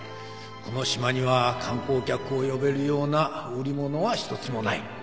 この島には観光客を呼べるような売り物は一つもない。